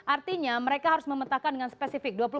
artinya mereka harus memetakan dengan spesifik